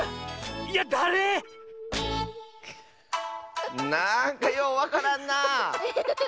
あれ⁉なんかようわからんな。